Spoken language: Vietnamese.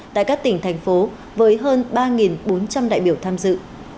tại các tỉnh thành phố với hơn ba bốn trăm linh đại biểu tham dự